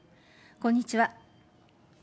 こんにちは。